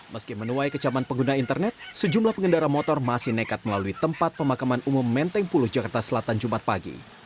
meski menuai kecaman pengguna internet sejumlah pengendara motor masih nekat melalui tempat pemakaman umum menteng puluh jakarta selatan jumat pagi